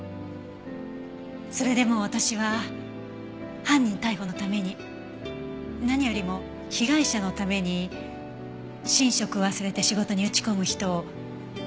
それでも私は犯人逮捕のために何よりも被害者のために寝食を忘れて仕事に打ち込む人を否定出来ない。